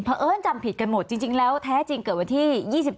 เพราะเอิ้นจำผิดกันหมดจริงแล้วแท้จริงเกิดวันที่๒๗